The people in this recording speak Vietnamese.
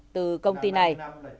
từ công ty này